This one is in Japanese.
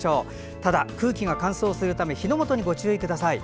ただ、空気が乾燥するため火の元にご注意ください。